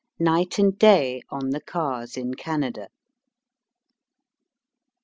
NIGHT AND DAY ON THE CARS IN CANADA.